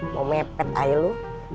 mau mepet aja lu